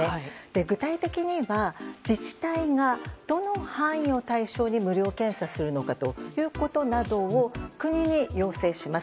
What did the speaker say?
具体的には自治体がどの範囲を対象に無料検査するのかということなどを国に要請します。